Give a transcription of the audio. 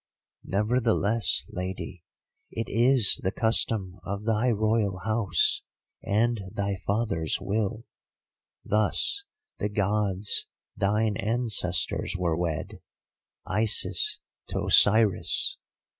"'Nevertheless, Lady, it is the custom of thy Royal house, and thy father's will. Thus the Gods, thine ancestors, were wed; Isis to Osiris.